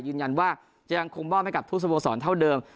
ยืนยันว่าจะยังคงมอบให้กับทุกสโมสรเท่าเดิม